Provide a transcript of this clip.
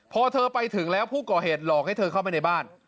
พอเธอไปถึงแล้วผู้ก่อเหตุหลอกให้เธอเข้าไปในบ้าน